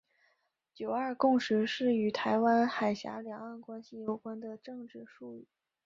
九二共识是与台湾海峡两岸关系有关的政治术语。